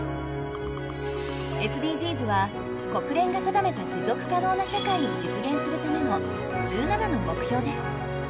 ＳＤＧｓは国連が定めた持続可能な社会を実現するための１７の目標です。